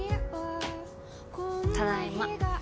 ただいま。